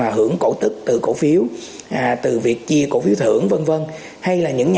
những người giao dịch liên tục của phía trên thị trường